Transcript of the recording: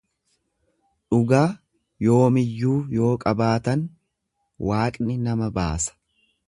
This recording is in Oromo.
Dhugaa yoomiyyuu yoo qabaatan waaqni nama baasa.